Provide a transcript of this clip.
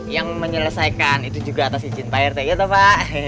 yang menyelesaikan itu juga atas izin pak rt gitu pak